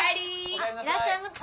あいらっしゃいませ。